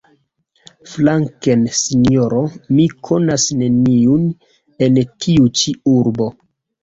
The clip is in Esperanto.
Flanken, sinjoro! Mi konas neniun en tiu ĉi urbo.